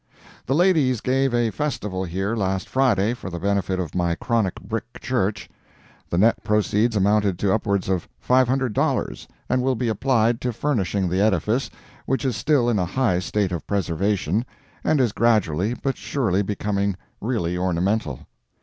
The ladies gave a festival here last Friday for the benefit of my chronic brick church. The net proceeds amounted to upwards of $500, and will be applied to furnishing the edifice, which is still in a high state of preservation, and is gradually but surely becoming really ornamental.